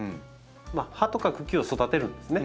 葉とか茎を育てるんですね。